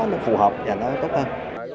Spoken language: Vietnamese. nó phù hợp và nó tốt hơn